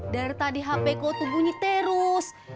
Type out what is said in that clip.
dari tadi hp kau tuh bunyi terus